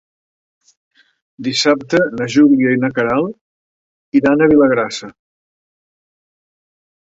Dissabte na Júlia i na Queralt iran a Vilagrassa.